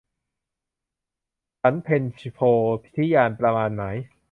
สรรเพชญโพ ธิญาณ ประมาณหมาย